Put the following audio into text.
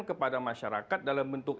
kepada masyarakat dalam bentuk